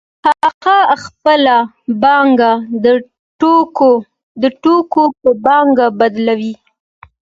هغه خپله پانګه د توکو په پانګه بدلوي